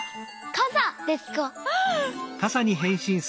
かさですか？